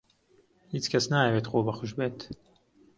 هیچ کەس نایەوێت خۆبەخش بێت.